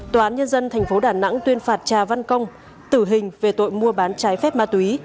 tòa án nhân dân tp đà nẵng tuyên phạt trà văn công tử hình về tội mua bán trái phép ma túy